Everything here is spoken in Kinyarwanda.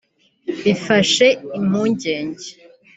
bifashe impungenge